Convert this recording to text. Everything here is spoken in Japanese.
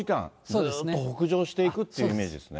ずーっと北上していくというイメージですね。